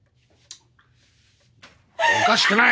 おかしくない！